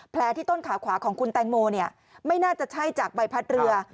ที่ต้นขาขวาของคุณแตงโมไม่น่าจะใช่จากใบพัดเรือ